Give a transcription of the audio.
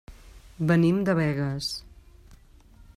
Venim de Begues.